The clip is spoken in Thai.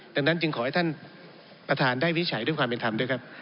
ดังนั้นจึงขอให้ท่านประธานได้วิจัยด้วยความเป็นธรรมด้วยครับ